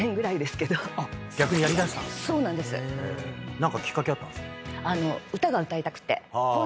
何かきっかけあったんですか？